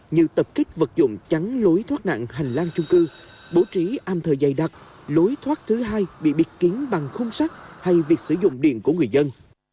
như tập kích vật dụng chắn lối thoát nạn hành lang chung cư bố trí am thờ dày đặc lối thoát thứ hai bị bịt kiến bằng khung sắt hay việc sử dụng điện của người dân